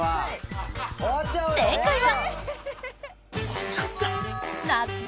正解は。